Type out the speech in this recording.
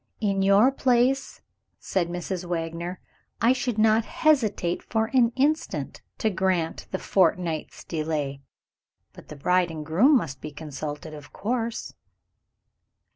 "In your place," said Mrs. Wagner, "I should not hesitate for an instant to grant the fortnight's delay. But the bride and bridegroom must be consulted, of course."